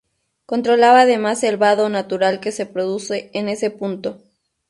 Controlaba además el vado natural que se produce en ese punto.